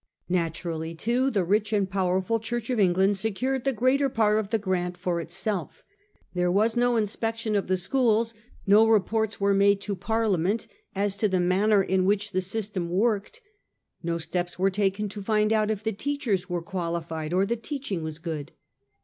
Naturally too the rich and powerful Church of England secured the greater part of the grant for itself. There was no inspection of the schools; no reports were made to Parliament as to the manner in which the system worked; no steps were taken to find out if the teachers were qua lified or the teaching was good.